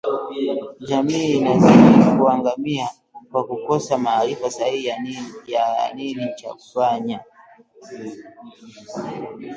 Jamii zinazidi kuangamia kwa kukosa maarifa sahihi ya nini cha kufanya